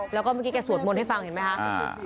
แล้วก็เมื่อกี้แกสวดมนต์ให้ฟังเห็นไหมคะ